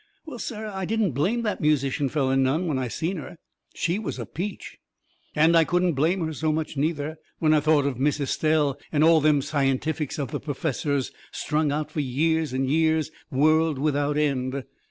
Well, sir, I didn't blame that musician feller none when I seen her. She was a peach. And I couldn't blame her so much, neither, when I thought of Miss Estelle and all them scientifics of the perfessor's strung out fur years and years world without end.